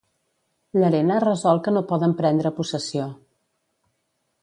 Llarena resol que no poden prendre possessió.